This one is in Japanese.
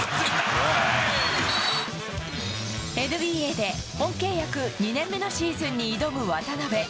ＮＢＡで本契約２年目のシーズンに挑む渡邊。